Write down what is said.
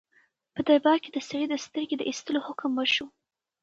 په دربار کې د سړي د سترګې د ایستلو حکم وشو.